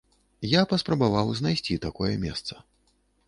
Я паспрабаваў знайсці такое месца.